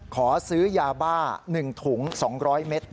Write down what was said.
ขอซื้อยาบ้า๑ถุง๒๐๐เมตร